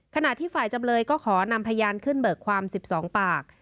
ขณะที่ฝ่ายจำเลยก็ขอนำพยานขึ้นเบิกความ๑๒ปาก